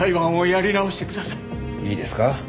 いいですか？